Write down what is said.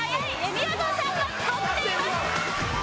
みやぞんさんが追っています。